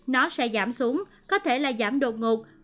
nó sẽ giảm xuống có thể là giảm đột ngột